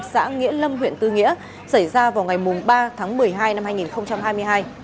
xã nghĩa lâm huyện tư nghĩa xảy ra vào ngày ba tháng một mươi hai năm hai nghìn hai mươi hai